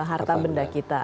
harta benda kita